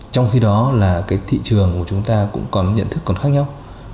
trong khi đó là cái thị trường của chúng ta cũng còn nhận thức còn khác nhau